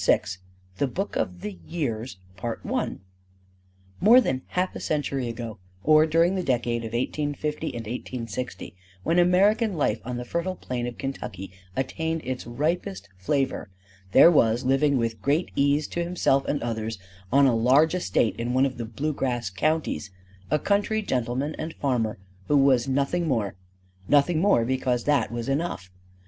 IV THE BOOK OF THE YEARS MORE than half a century ago, or during the decade of 1850 and 1860, when American life on the fertile plain of Kentucky attained its ripest flavor, there was living with great ease to himself and others on a large estate in one of the bluegrass counties a country gentleman and farmer who was nothing more: nothing more because that was enough.